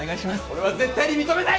俺は絶対に認めない！